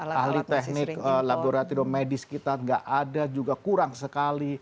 ahli teknik laboratorium medis kita tidak ada juga kurang sekali